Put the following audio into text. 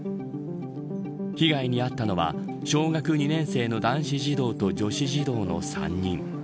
被害に遭ったのは小学２年生の男子児童と女子児童の３人。